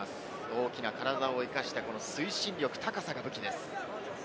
大きな体を生かした高さが武器です。